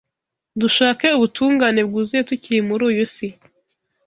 Dushake Ubutungane Bwuzuye tukiri muri uyu si